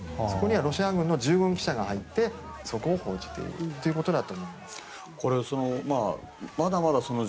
そこにはロシア軍の従軍記者が入ってそこを報じているということだと思うんです。